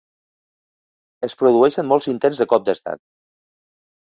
Es produeixen molts intents de cop d'estat.